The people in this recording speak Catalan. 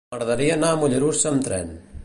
M'agradaria anar a Mollerussa amb tren.